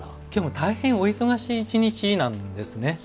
大変、お忙しい一日なんですね。